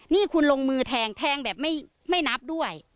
นี่คุณลงมือแทงแทงแบบไม่นับด้วย